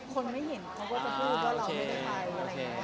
คนไม่เห็นเขาก็จะพูดว่าเราไม่ใช่ไทย